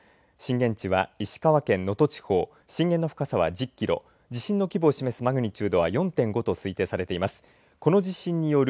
震源地は石川県の能登地方震源の深さは１０キロ地震の規模を示すマグニチュードは４．５と推定されています。